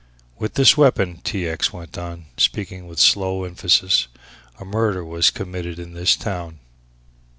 "With this weapon," T. X. went on, speaking with slow emphasis, "a murder was committed in this town."